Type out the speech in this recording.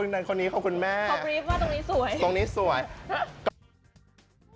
ต้องเป็นที่ยินคุณแม่เอาตรงนี้ค่ะ